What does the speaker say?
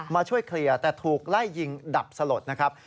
มาช่วยเคลียร์แต่ถูกไล่ยิงดับสลดนะครับ